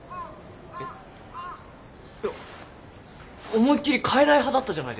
えっいや思いっきり変えない派だったじゃないですか。